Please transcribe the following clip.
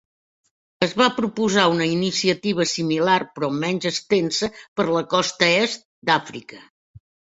Es va proposar una iniciativa similar però menys extensa per la costa est d'Àfrica.